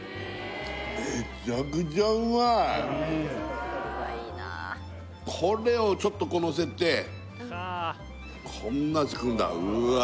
めちゃくちゃうまいこれをちょっとこうのせてこんなして食うんだうわっ